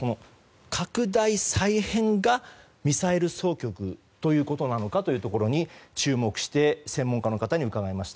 拡大・再編がミサイル総局というところに注目して専門家の方に伺いました。